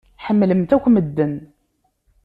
Ḥemmlemt akk medden.